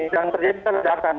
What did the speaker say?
dan terjadi terledakan